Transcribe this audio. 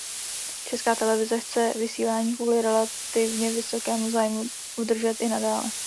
Česká televize chce vysílání kvůli relativně vysokému zájmu udržet i nadále.